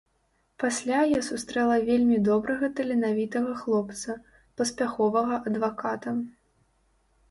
Пасля я сустрэла вельмі добрага таленавітага хлопца, паспяховага адваката.